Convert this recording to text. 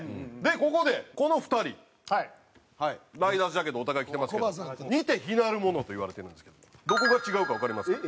ここでこの２人ライダースジャケットお互い着てますけど似て非なるものといわれてるんですけどもどこが違うかわかりますか？